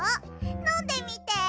のんでみて。